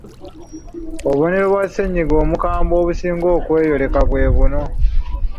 Obubonero bwa ssennyiga omukambwe obusinga okweyoleka bwe buno: